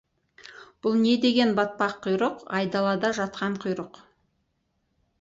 Бұл не деген батпан құйрық, айдалада жатқан құйрық?